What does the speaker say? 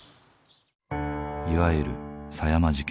いわゆる狭山事件。